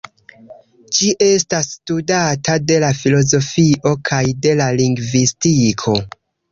Ĝi estas studata de la filozofio kaj de la lingvistiko.